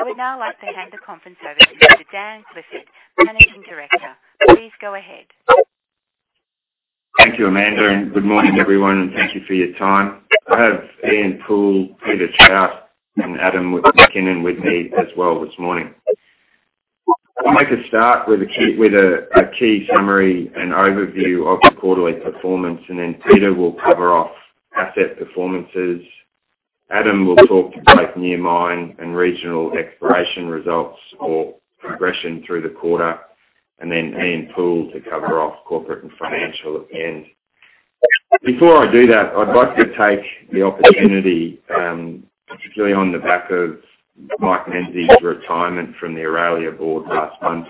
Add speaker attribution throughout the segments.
Speaker 1: I would now like to hand the conference over to Mr. Dan Clifford, Managing Director. Please go ahead.
Speaker 2: Thank you, Amanda. Good morning everyone, and thank you for your time. I have Ian Poole, Peter Trout, and Adam McKinnon with me as well this morning. I'll make a start with a key summary and overview of the quarterly performance. Peter will cover off asset performances. Adam will talk to both near mine and regional exploration results or progression through the quarter. Ian Poole to cover off corporate and financial at the end. Before I do that, I'd like to take the opportunity, particularly on the back of Mike Menzies retirement from the Aurelia board last month,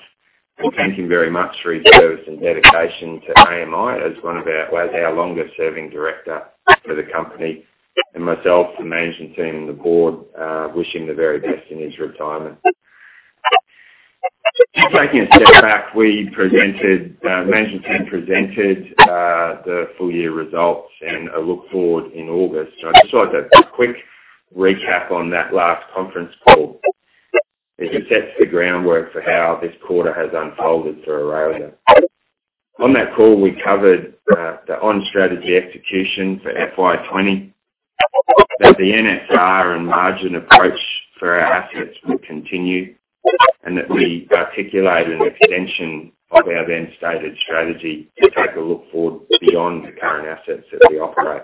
Speaker 2: and thank him very much for his service and dedication to AMI as one of our longest-serving director for the company, and myself, the management team, and the board, wish him the very best in his retirement. Just taking a step back, the management team presented the full-year results and a look forward in August. I'd just like a quick recap on that last conference call, as it sets the groundwork for how this quarter has unfolded for Aurelia. On that call, we covered the on-strategy execution for FY 2020, that the NSR and margin approach for our assets would continue, and that we articulate an extension of our then-stated strategy to take a look forward beyond the current assets that we operate.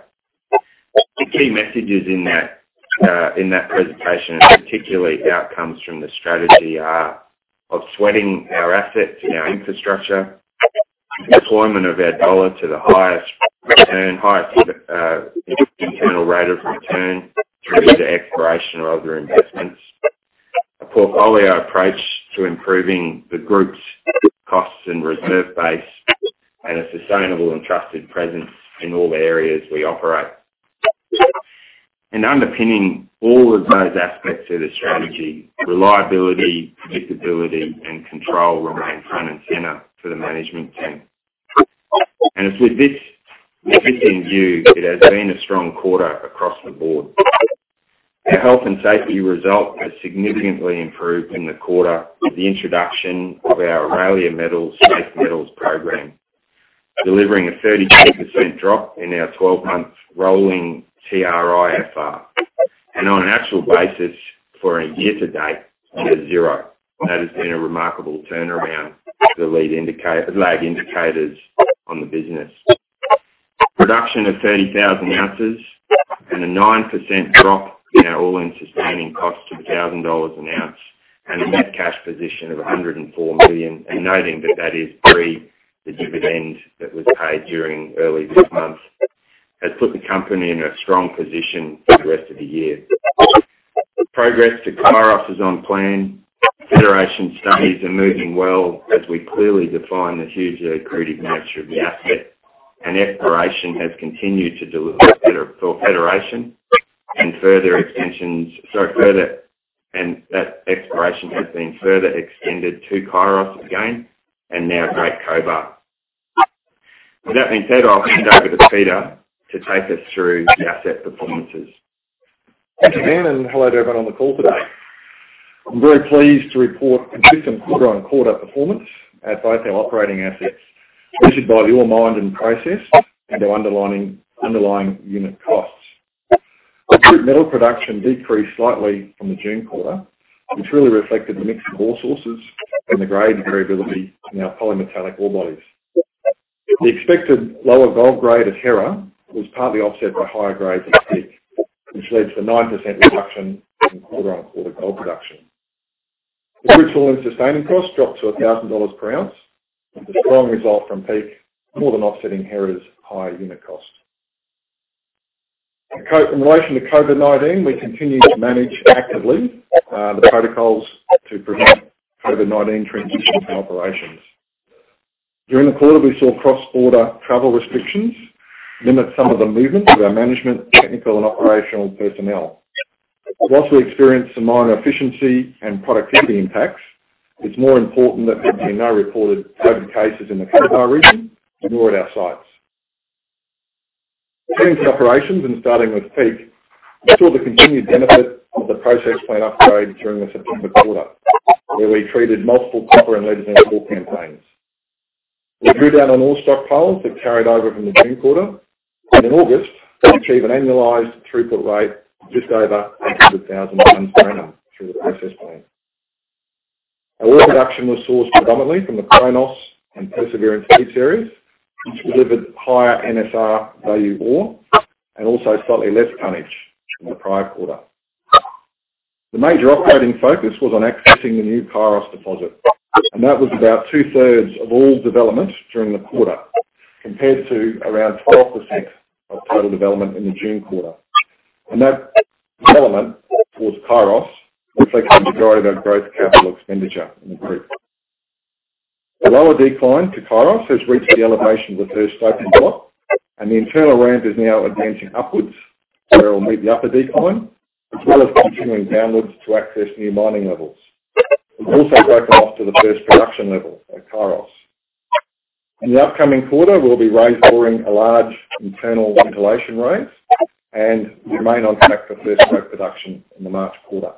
Speaker 2: The key messages in that presentation, and particularly outcomes from the strategy, are of sweating our assets and our infrastructure, deployment of our dollar to the highest internal rate of return through either exploration or other investments, a portfolio approach to improving the group's costs and reserve base, and a sustainable and trusted presence in all the areas we operate. Underpinning all of those aspects of the strategy, reliability, predictability, and control remain front and center for the management team. It's with this in view, it has been a strong quarter across the board. Our health and safety result has significantly improved in the quarter with the introduction of our Aurelia Metals Safe Metals program, delivering a 32% drop in our 12-month rolling TRIFR. On an actual basis for a year to date, we have zero, and that has been a remarkable turnaround for the lag indicators on the business. Production of 30,000 ounces and a 9% drop in our all-in sustaining cost to 1,000 dollars an ounce, and a net cash position of 104 million, and noting that that is pre the dividend that was paid during early this month, has put the company in a strong position for the rest of the year. Progress to Kairos is on plan. Federation studies are moving well as we clearly define the hugely accretive nature of the asset. Exploration has continued to deliver for Federation and further extensions. Sorry, that exploration has been further extended to Kairos again and now Great Cobar. With that being said, I'll hand over to Peter to take us through the asset performances.
Speaker 3: Dan. Hello to everyone on the call today. I'm very pleased to report consistent quarter-on-quarter performance at both our operating assets, measured by ore mined and processed and their underlying unit costs. Group metal production decreased slightly from the June quarter, which really reflected the mix of ore sources and the grade variability in our polymetallic ore bodies. The expected lower gold grade at Hera was partly offset by higher grades at Peak, which led to a 9% reduction in quarter-on-quarter gold production. The group's all-in sustaining cost dropped to 1,000 dollars per ounce, with a strong result from Peak more than offsetting Hera's higher unit cost. In relation to COVID-19, we continue to manage actively the protocols to prevent COVID-19 transition to operations. During the quarter, we saw cross-border travel restrictions limit some of the movement of our management, technical, and operational personnel. Whilst we experienced some minor efficiency and productivity impacts, it is more important that there be no reported COVID-19 cases in the Cobar region, nor at our sites. Turning to operations and starting with Peak, we saw the continued benefit of the process plant upgrade during the September quarter, where we treated multiple copper and lead zinc ore campaigns. We drew down on ore stockpiles that carried over from the June quarter, and in August we achieved an annualized throughput rate just over 800,000 tonnes per annum through the process plant. Our ore production was sourced predominantly from the [Kairos] and Perseverance, which delivered higher NSR value ore and also slightly less tonnage from the prior quarter. The major operating focus was on accessing the new Kairos deposit. That was about 2/3 of all development during the quarter, compared to around 12% of total development in the June quarter. That development towards Kairos reflected the majority of our gross capital expenditure in the group. The lower decline to Kairos has reached the elevation with the first stoping block. The internal ramp is now advancing upwards where it will meet the upper decline, as well as continuing downwards to access new mining levels. We've also broken off to the first production level at Kairos. In the upcoming quarter, we'll be raise boring a large internal ventilation raise and remain on track for first ore production in the March quarter.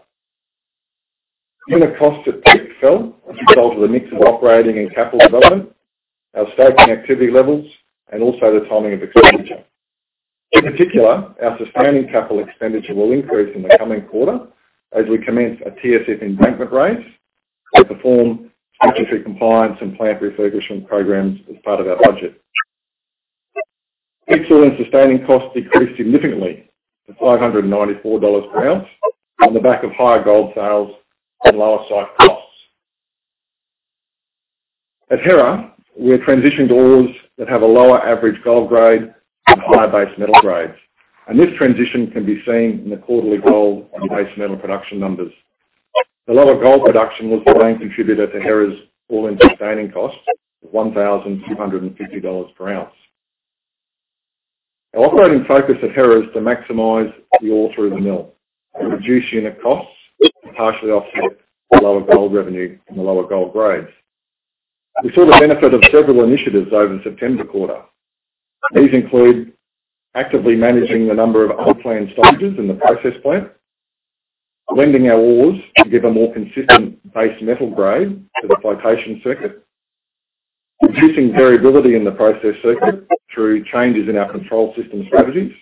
Speaker 3: Unit costs at Peak fell as a result of the mix of operating and capital development, our stoping activity levels, and also the timing of expenditure. In particular, our sustaining capital expenditure will increase in the coming quarter as we commence a TSF embankment raise to perform statutory compliance and plant refurbishment programs as part of our budget. Peak's all-in sustaining costs decreased significantly to 594 dollars per ounce on the back of higher gold sales and lower site costs. At Hera, we're transitioning to ores that have a lower average gold grade and higher base metal grades, and this transition can be seen in the quarterly gold and base metal production numbers. The lower gold production was the main contributor to Hera's all-in sustaining costs of 1,250 dollars per ounce. Our operating focus at Hera is to maximize the ore through the mill, reduce unit costs to partially offset the lower gold revenue and the lower gold grades. We saw the benefit of several initiatives over the September quarter. These include actively managing the number of unplanned stoppages in the process plant, blending our ores to give a more consistent base metal grade to the flotation circuit, reducing variability in the process circuit through changes in our control systems strategies,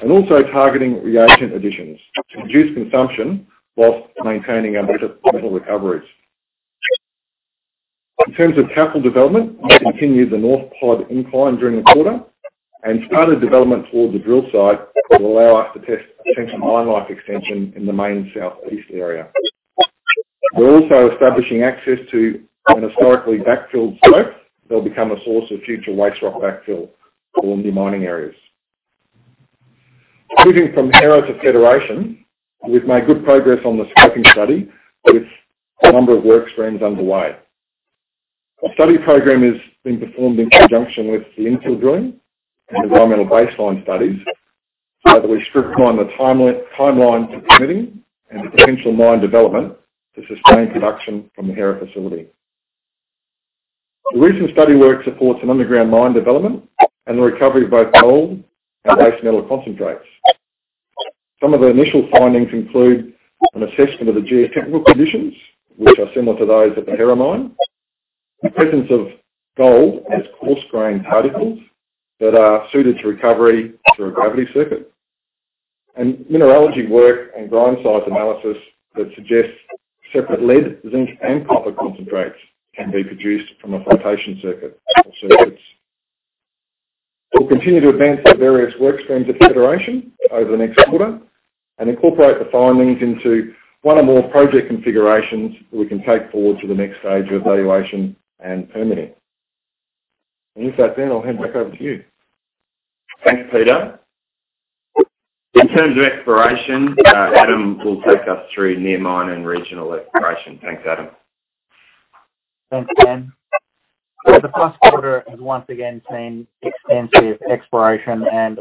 Speaker 3: and also targeting reagent additions to reduce consumption while maintaining our metal recoveries. In terms of capital development, we continued the North Pod incline during the quarter and started development towards the drill site that will allow us to test potential mine life extension in the main southeast area. We're also establishing access to an historically backfilled slope that will become a source of future waste rock backfill for all new mining areas. Moving from Hera to Federation, we've made good progress on the scoping study, with a number of work streams underway. Our study program is being performed in conjunction with the infill drilling and environmental baseline studies so that we scrutinize the timeline to permitting and to potential mine development to sustain production from the Hera facility. The recent study work supports an underground mine development and the recovery of both gold and base metal concentrates. Some of the initial findings include an assessment of the geotechnical conditions, which are similar to those at the Hera mine, the presence of gold as coarse grain particles that are suited to recovery through a gravity circuit, and mineralogy work and grind size analysis that suggests separate lead, zinc, and copper concentrates can be produced from a flotation circuit or circuits. We'll continue to advance the various work streams at Federation over the next quarter and incorporate the findings into one or more project configurations that we can take forward to the next stage of evaluation and permitting. With that, Dan, I'll hand back over to you.
Speaker 2: Thanks, Peter. In terms of exploration, Adam will take us through near mine and regional exploration. Thanks, Adam.
Speaker 4: Thanks, Dan. The first quarter has once again seen extensive exploration and.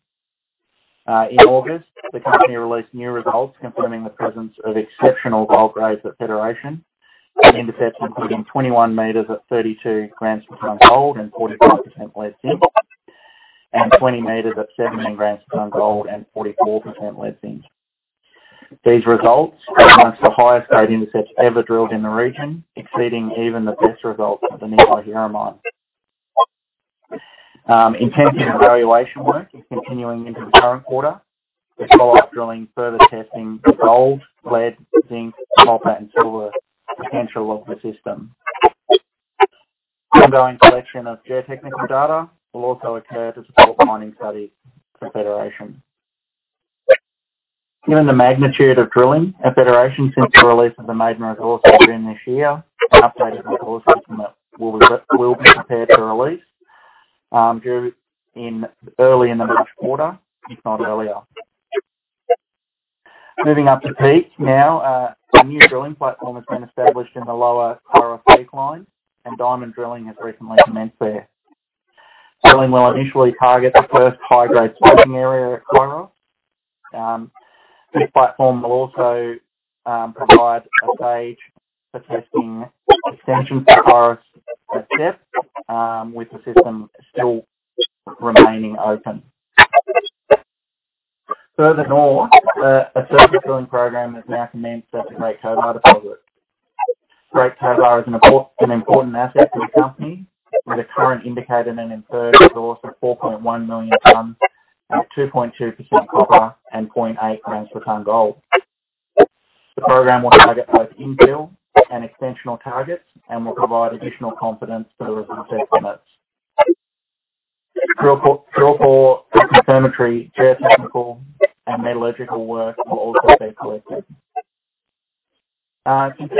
Speaker 4: In August, the company released new results confirming the presence of exceptional gold grades at Federation. Intercepts including 21 meters at 32 grams per and 45% lead zinc, and 20 meters at 17 grams gold and 44% lead zinc. These results are amongst the highest-grade intercepts ever drilled in the region, exceeding even the best results at the nearby Hera mine. Intensive evaluation work is continuing into the current quarter, with follow-up drilling further testing the gold, lead, zinc, copper, and silver potential of the system. Ongoing collection of geotechnical data will also occur to support mining studies for Federation. Given the magnitude of drilling at Federation since the release of the this year, an updated resource estimate will be prepared for release due early in the March quarter, if not earlier. Moving up to Peak now, a new drilling platform has been established in the lower Kairos Peak mine, and diamond drilling has recently commenced there. Drilling will initially target the first high-grade. This platform will also provide a stage for testing extensions at Kairos at depth, with the system still remaining open. Further north, a surface drilling program has now commenced at the Great Cobar deposit. Great Cobar is an important asset to the company with a current indicated and inferred resource of 4.1 million tonnes at 2.2% copper and 0.8 grams per tonne gold. The program will target both infill and extensional targets and will provide additional confidence to the resource estimates. Drill core, confirmatory geotechnical, and metallurgical work will also be collected.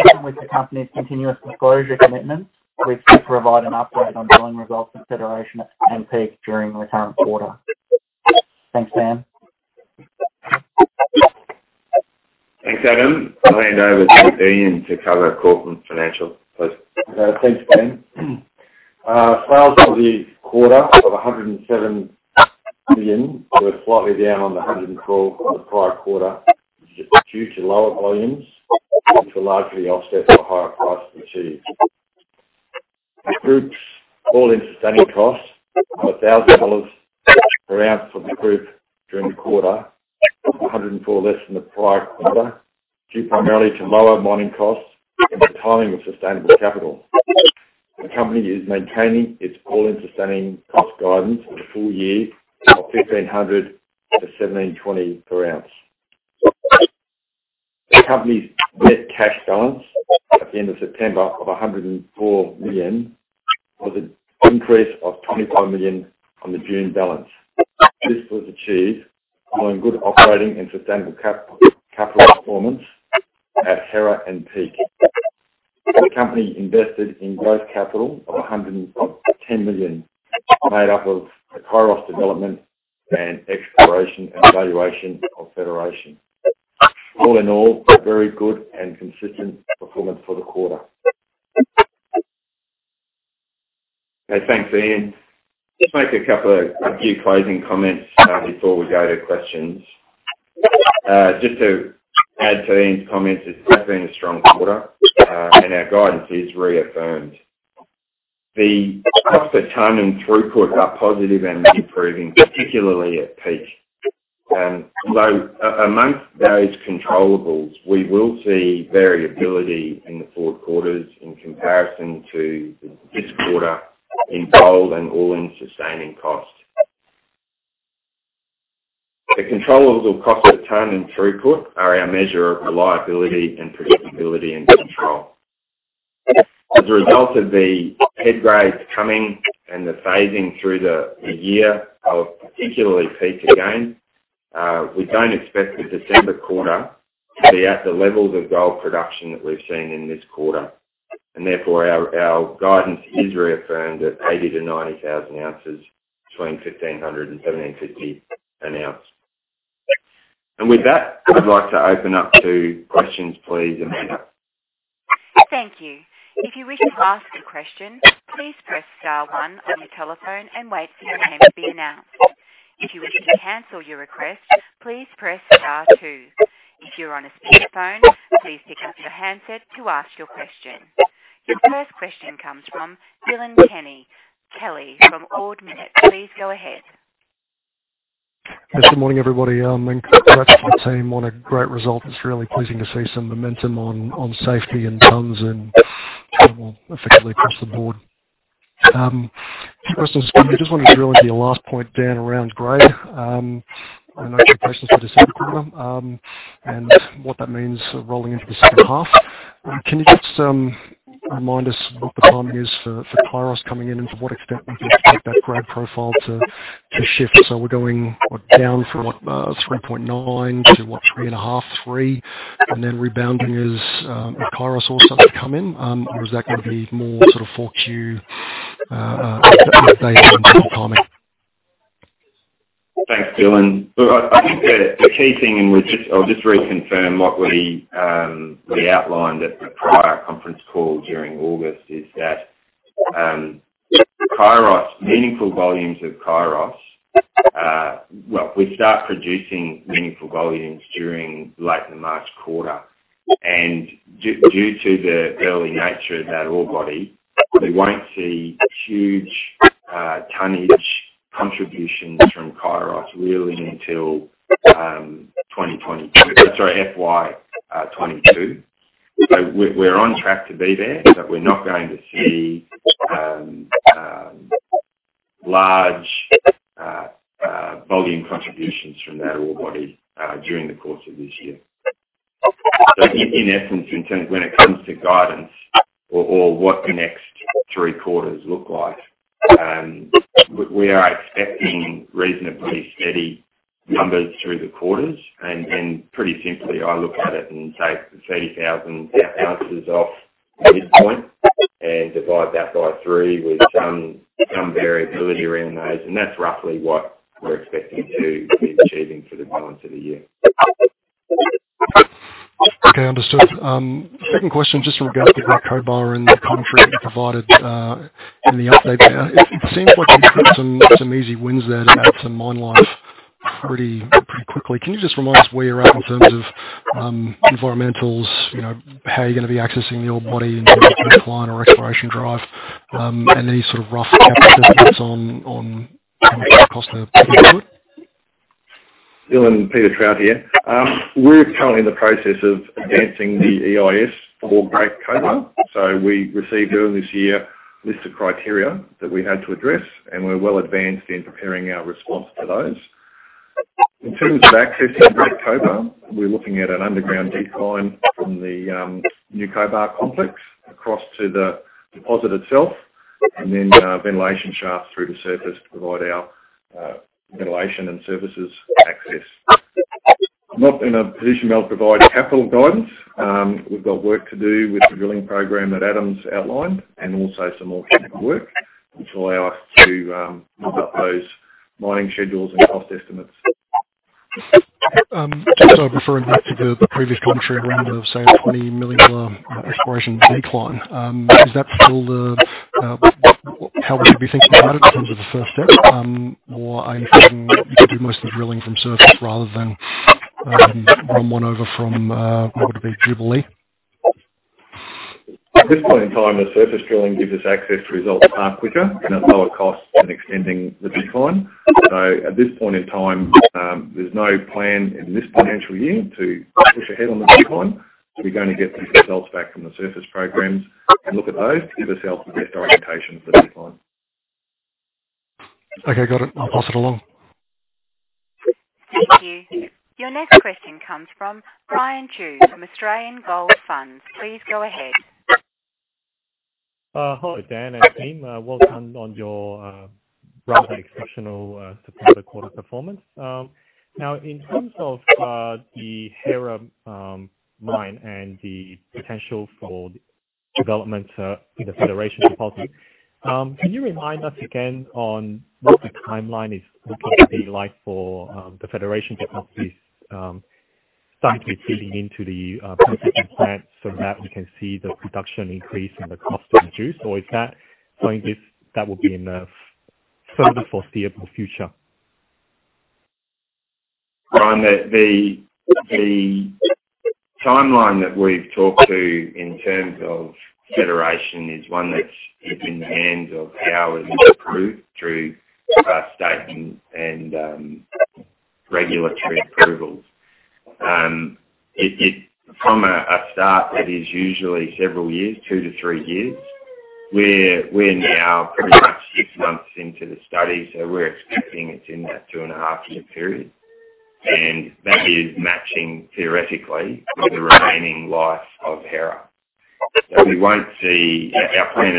Speaker 4: with the company's continuous disclosure commitments, we seek to provide an update on drilling results at Federation and Peak during the current quarter. Thanks, Dan.
Speaker 2: Thanks, Adam. I'll hand over to Ian to cover corporate and financial, please.
Speaker 5: Thanks, Dan. Sales for the quarter of 107 million were slightly down on the 112 million from the prior quarter, which is due to lower volumes, which were largely offset by higher prices achieved. The group's all-in sustaining costs are 1,000 dollars per ounce for the group during the quarter, 104 less than the prior quarter, due primarily to lower mining costs and the timing of sustaining capital. The company is maintaining its all-in sustaining cost guidance for the full year of 1,500 to 1,720 per ounce. The company's net cash balance at the end of September of 104 million was an increase of 25 million on the June balance. This was achieved following good operating and sustaining capital performance at Hera and Peak. The company invested in growth capital of 110 million, made up of the Kairos development and exploration and valuation of Federation. All in all, a very good and consistent performance for the quarter.
Speaker 2: Okay, thanks, Ian. Just make a few closing comments before we go to questions. Just to add to Ian's comments, it's definitely been a strong quarter, and our guidance is reaffirmed. The cost of ton and throughput are positive and improving, particularly at Peak. Although amongst those controllables, we will see variability in the four quarters in comparison to this quarter in gold and all-in sustaining cost. The controllables of cost per ton and throughput are our measure of reliability and predictability and control. As a result of the head grades coming and the phasing through the year of particularly Peak again, we don't expect the December quarter to be at the levels of gold production that we've seen in this quarter. Therefore, our guidance is reaffirmed at 80,000-90,000 ounces between AUD 1,500 and AUD 1,750 an ounce. With that, I'd like to open up to questions, please, Amanda.
Speaker 1: Your first question comes from Dylan Kelly from Ord Minnett. Please go ahead.
Speaker 6: Good morning, everybody. Congrats to the team on a great result. It's really pleasing to see some momentum on safety and tons and effectively across the board. Two questions for you. Just wondering really on your last point, Dan, around grade, and what that means rolling into the second half. Can you just remind us what the timing is for Kairos coming in and to what extent we can expect that grade profile to shift? We're going down from 3.9 to what, 3.5, 3, and then rebounding as Kairos also starts to come in? Is that going to be more sort of 4Q update on timing?
Speaker 2: Thanks, Dylan. Look, I think the key thing, I'll just reconfirm what we outlined at the prior conference call during August is that Well, we start producing meaningful volumes during late in the March quarter. Due to the early nature of that ore body, we won't see huge tonnage contributions from Kairos really until FY 2022. We're on track to be there, but we're not going to see large volume contributions from that ore body during the course of this year. In essence, when it comes to guidance or what the next three quarters look like, we are expecting reasonably steady numbers through the quarters. Pretty simply, I look at it and take the 30,000 ounces off midpoint and divide that by three with some variability around those, and that's roughly what we're expecting to be achieving for the balance of the year.
Speaker 6: Okay, understood. Second question, just in regards to Great Cobar and the commentary that you provided in the update. It seems like you've got some easy wins there to add some mine life pretty quickly. Can you just remind us where you're at in terms of environmentals? How are you going to be accessing the ore body in terms of decline or exploration drive? Any sort of rough estimates on cost of input?
Speaker 3: Dylan, Peter Trout here. We're currently in the process of advancing the EIS for Great Cobar. We received, earlier this year, list of criteria that we had to address, and we're well advanced in preparing our response to those. In terms of accessing Great Cobar, we're looking at an underground decline from the New Cobar complex across to the deposit itself, and then ventilation shafts through the surface to provide our ventilation and services access. I'm not in a position where I'll provide capital guidance. We've got work to do with the drilling program that Adam's outlined and also some more technical work, which allow us to look at those mining schedules and cost estimates
Speaker 6: Just referring back to the previous commentary around the, say, AUD 20 million exploration decline. Is that still how we should be thinking about it in terms of the first step? Are you saying you could do most of the drilling from surface rather than run one over from, what would be?
Speaker 2: At this point in time, the surface drilling gives us access to results far quicker and at lower cost than extending the decline. At this point in time, there's no plan in this financial year to push ahead on the decline. We're going to get the results back from the surface programs and look at those to give ourselves the best orientation for the decline.
Speaker 6: Okay, got it. I'll pass it along.
Speaker 1: Thank you. Your next question comes from Brian Chu from Australian Gold Fund. Please go ahead.
Speaker 7: Hello, Dan and team. Welcome on your rather exceptional September quarter performance. In terms of the Hera mine and the potential for development in the Federation deposit, can you remind us again on what the timeline is looking to be like for the Federation deposit site to be feeding into the processing plant so that we can see the production increase and the cost reduce? Or is that something that will be in the further foreseeable future?
Speaker 2: Brian, the timeline that we've talked to in terms of Federation is one that's in the hands of how it is approved through state and regulatory approvals. From a start, it is usually several years, two to three years. We're now pretty much six months into the study, so we're expecting it's in that two and a half year period. That is matching theoretically with the remaining life of Hera. Our plan at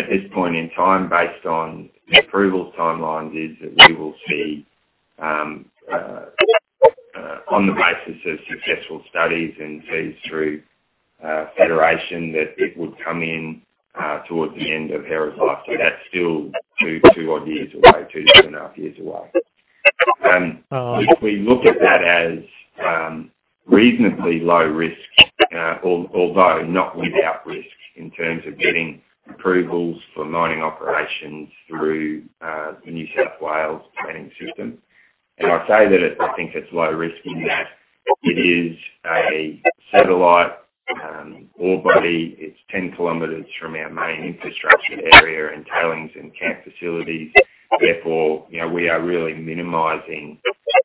Speaker 2: this point in time, based on the approvals timelines, is that we will see on the basis of successful studies and feeds through Federation, that it would come in towards the end of Hera's life. That's still two odd years away, two and a half years away.
Speaker 7: All right.
Speaker 2: We look at that as reasonably low risk, although not without risk in terms of getting approvals for mining operations through the New South Wales planning system. I say that I think it's low risk in that it is a satellite ore body. It's 10 km from our main infrastructure area and tailings and camp facilities. Therefore, we are really minimizing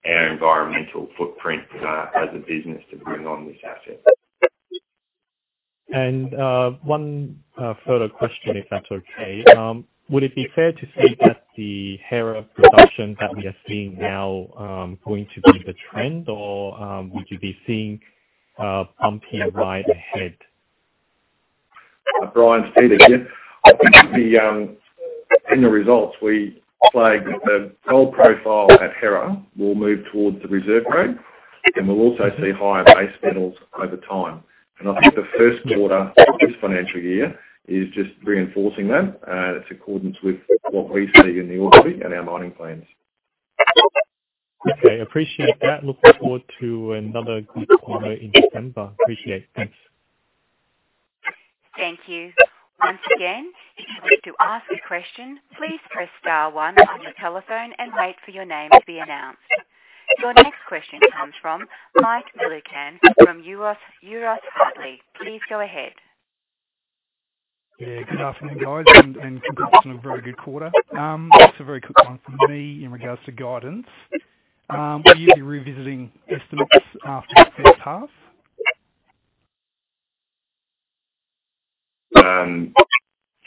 Speaker 2: our environmental footprint as a business to bring on this asset.
Speaker 7: One further question, if that's okay. Would it be fair to say that the Hera production that we are seeing now going to be the trend or would you be seeing bumping right ahead?
Speaker 3: Brian, [Peter] here. I think in the results, we flagged that the gold profile at Hera will move towards the reserve grade, and we'll also see higher base metals over time. I think the 1st quarter of this financial year is just reinforcing that, and it's in accordance with what we see in the ore body and our mining plans.
Speaker 7: Okay, appreciate that. Looking forward to another good quarter in December. Appreciate it. Thanks.
Speaker 1: Thank you. Your next question comes from Mike Millikan from Euroz Hartleys. Please go ahead.
Speaker 8: Yeah, good afternoon, guys, and congratulations on a very good quarter. Just a very quick one from me in regards to guidance. Will you be revisiting estimates after this half?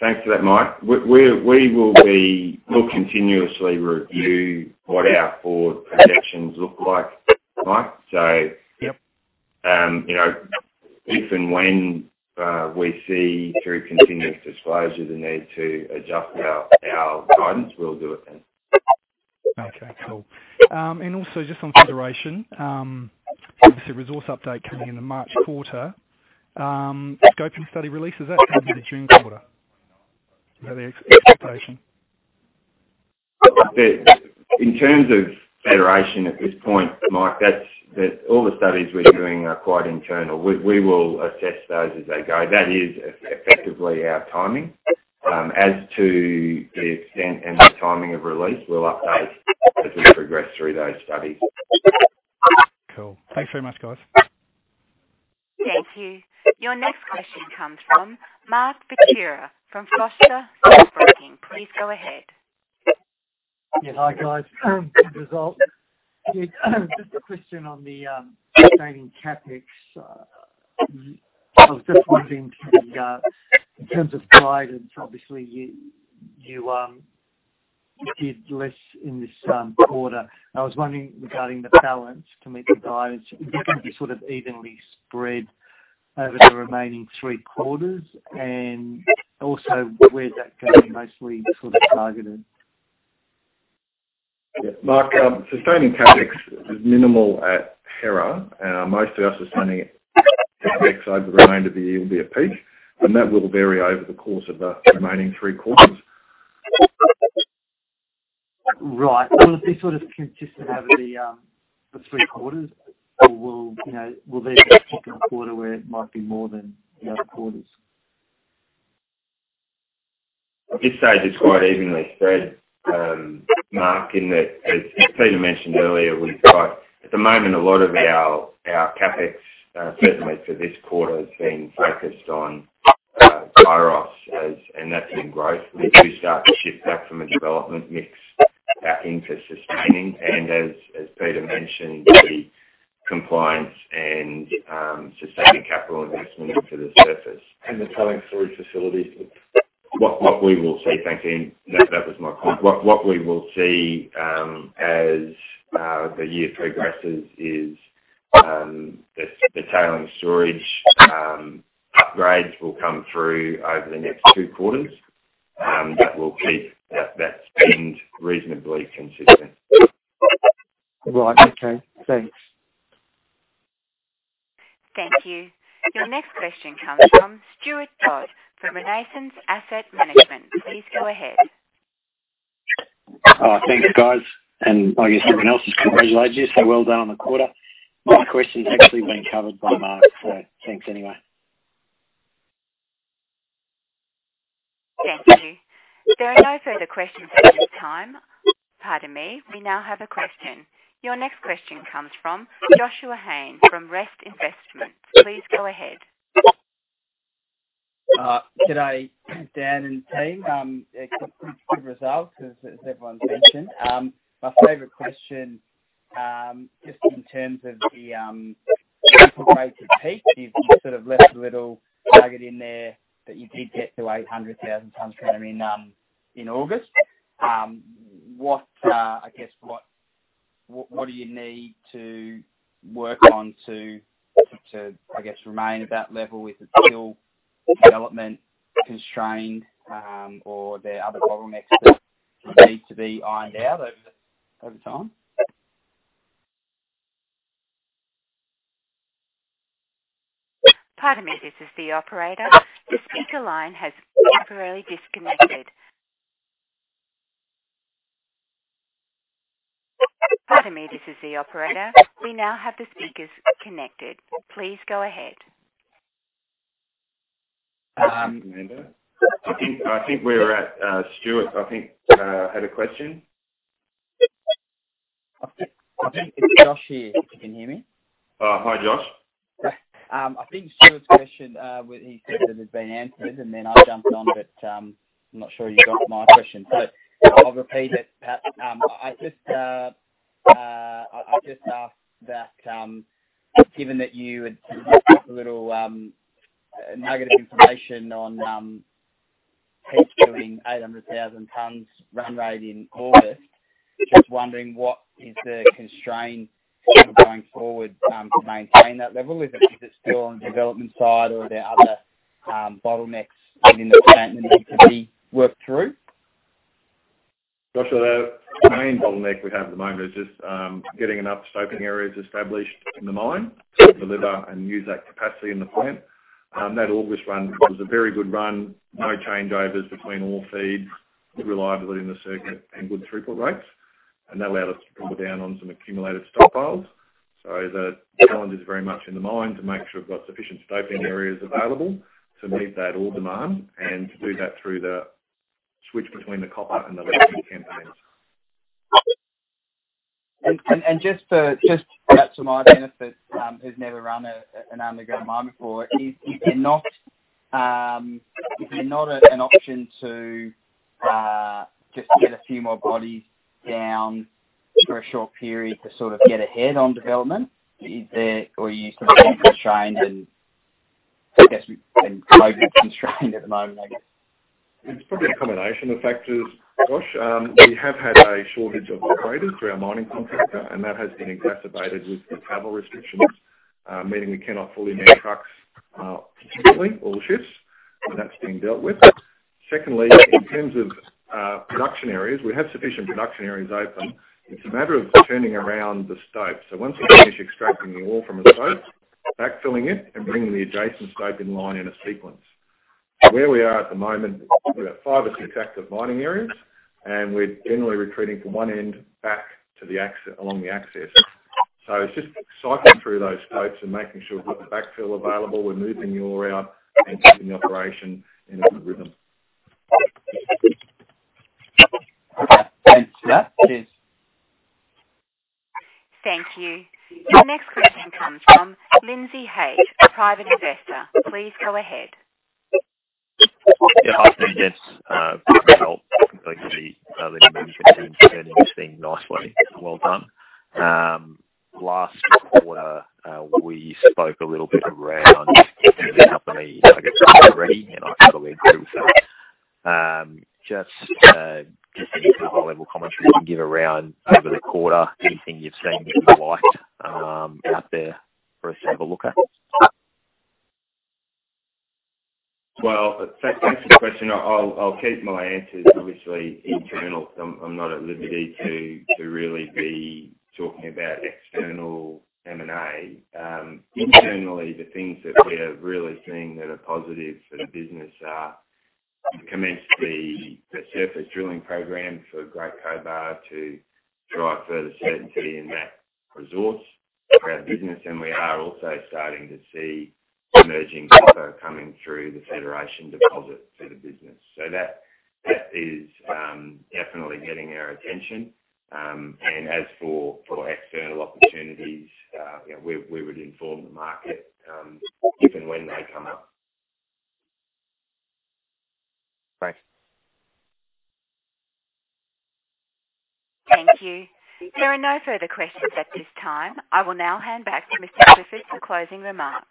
Speaker 2: Thanks for that, Mike. We'll continuously review what our forward projections look like, Mike.
Speaker 8: Yep.
Speaker 2: If and when we see through continuous disclosure the need to adjust our guidance, we'll do it then.
Speaker 8: Okay, cool. Also just on Federation, obviously resource update coming in the March quarter. Scoping study release, is that going to be the June quarter? Is that the expectation?
Speaker 2: In terms of Federation at this point, Mike, all the studies we are doing are quite internal. We will assess those as they go. That is effectively our timing. As to the extent and the timing of release, we will update as we progress through those studies.
Speaker 8: Cool. Thanks very much, guys.
Speaker 1: Thank you. Your next question comes from Mark Fichera from Foster Stockbroking. Please go ahead.
Speaker 9: Yeah. Hi, guys. Good result. Just a question on the sustaining CapEx. I was just wondering in terms of guidance, obviously, you did less in this quarter. I was wondering regarding the balance committed guidance, do you think it'll be evenly spread over the remaining three quarters? Also, where is that going to be mostly targeted?
Speaker 2: Mark, sustaining CapEx is minimal at Hera. Most of our sustaining CapEx over the remainder of the year will be at Peak, and that will vary over the course of the remaining three quarters.
Speaker 9: Right. Will it be consistent over the three quarters or will there quarter where it might be more than quarters?
Speaker 2: At this stage, it's quite evenly spread, Mark, in that, as Peter mentioned earlier, at the moment, a lot of our CapEx, certainly for this quarter, has been focused on Kairos, and that's been growth. We do start to shift back from a development mix back into sustaining, and as Peter mentioned, the compliance and sustaining capital investment for the surface.
Speaker 3: The tailing storage facilities.
Speaker 2: That was my point. What we will see as the year progresses is the tailing storage upgrades will come through over the next two quarters. That will keep that spend reasonably consistent.
Speaker 9: Right. Okay, thanks.
Speaker 1: Thank you. Your next question comes from Stuart Dodd from Renaissance Asset Management. Please go ahead.
Speaker 10: Thank you, guys. I guess everyone else has congratulated you, so well done on the quarter. My question has actually been covered by Mark, so thanks anyway.
Speaker 1: Thank you. There are no further questions at this time. Pardon me, we now have a question. Your next question comes from Joshua Hain from Rest Investments. Please go ahead.
Speaker 11: Good day, Dan and team. Good results, as everyone's mentioned. My favorite question, just in terms of the rates of Peak, you've sort of left a little nugget in there that you did get to 800,000 tons kind of in August. I guess, what do you need to work on to remain at that level? Is it still development constrained, or are there other bottlenecks that need to be ironed out over time?
Speaker 1: Pardon me, this is the operator. The speaker line has temporarily disconnected. Pardon me, this is the operator. We now have the speakers connected. Please go ahead.
Speaker 2: Amanda. I think we were at Stuart. I think had a question.
Speaker 11: It's Josh here, if you can hear me.
Speaker 2: Hi, Josh.
Speaker 11: I think Stuart's question, he said that had been answered, and then I jumped on, but I'm not sure you got my question. I'll repeat it, [Pat]. I just asked that, given that you had dropped off a little nugget of information on Peak doing 800,000 tons run rate in August, just wondering what is the constraint going forward to maintain that level. Is it still on development side or are there other bottlenecks within the plant that need to be worked through?
Speaker 3: Joshua, the main bottleneck we have at the moment is just getting enough stoping areas established in the mine to deliver and use that capacity in the plant. That August run was a very good run, no changeovers between ore feeds, good reliability in the circuit, and good throughput rates. That allowed us to pull down on some accumulated stockpiles. The challenge is very much in the mine to make sure we've got sufficient stoping areas available to meet that ore demand and to do that through the switch between the copper and the campaigns.
Speaker 11: Just to my benefit, who's never run an underground mine before, is there not an option to just get a few more bodies down for a short period to sort of get ahead on development? Are you sort of constrained and I guess we've been globally constrained at the moment, I guess?
Speaker 3: It's probably a combination of factors, Josh. We have had a shortage of operators through our mining contractor, and that has been exacerbated with the travel restrictions, meaning we cannot fly in our trucks consistently, all shifts, and that's being dealt with. Secondly, in terms of production areas, we have sufficient production areas open. It's a matter of turning around the stope. Once we finish extracting the ore from a stope, backfilling it and bringing the adjacent stope in line in a sequence. Where we are at the moment, we've got five or six active mining areas, and we're generally retreating from one end back along the axis. It's just cycling through those stopes and making sure we've got the backfill available. We're moving ore out and keeping the operation in a good rhythm.
Speaker 11: Thanks for that. Cheers.
Speaker 1: Thank you. The next question comes from [Lindsay Hayes], a private investor. Please go ahead.
Speaker 12: Yeah. gents. Good result. to turn this thing nicely. Well done. Last quarter, we spoke a little bit around. Just any kind of high-level commentary you can give around over the quarter, anything you've seen or liked out there for us to have a look at?
Speaker 2: Well, thanks for the question. I'll keep my answers obviously internal. I'm not at liberty to really be talking about external M&A. Internally, the things that we're really seeing that are commence the surface drilling program for Great Cobar to drive further certainty in that resource for our business. We are also starting to see emerging info coming through the Federation deposit to the business. That is definitely getting our attention. As for external opportunities, we would inform the market if and when they come up.
Speaker 12: Thanks.
Speaker 1: Thank you. There are no further questions at this time. I will now hand back to Mr. Clifford for closing remarks.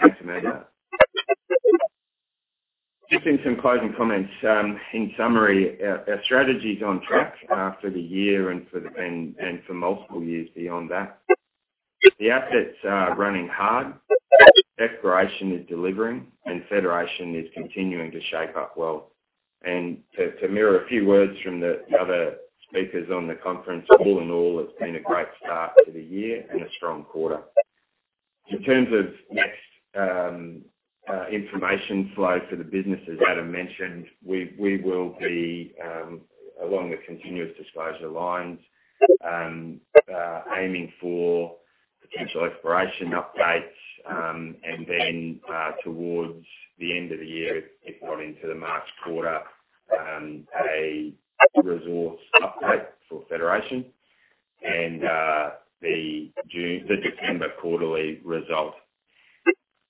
Speaker 2: Thanks, Amanda. some closing comments. In summary, our strategy's on track for the year and for multiple years beyond that. The assets are running hard, exploration is delivering, and Federation is continuing to shape up well. To mirror a few words from the other speakers on the conference, all in all, it's been a great start to the year and a strong quarter. In terms of next information flow for the business, as Adam mentioned, we will be, along the continuous disclosure lines, aiming for potential exploration updates, towards the end of the year, if not into the March quarter, a resource update for Federation and the December quarterly result.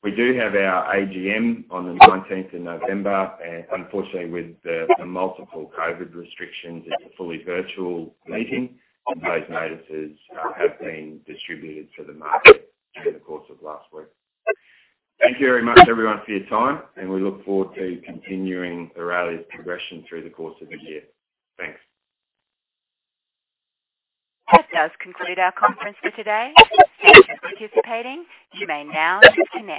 Speaker 2: We do have our AGM on the 19th November, unfortunately, with the multiple COVID restrictions, it's a fully virtual meeting. Those notices have been distributed to the market during the course of last week. Thank you very much, everyone, for your time, and we look forward to continuing Aurelia's progression through the course of the year. Thanks.
Speaker 1: That does conclude our conference for today. Thank you for participating. You may now disconnect.